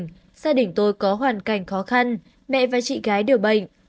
gia đình tôi có hoàn cảnh khó khăn mẹ và chị gái đều bệnh